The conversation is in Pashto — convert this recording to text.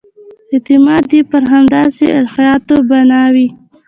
اعتقاد یې پر همدغسې الهیاتو بنا وي.